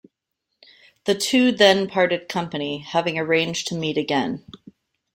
The two then parted company, having arranged to meet again.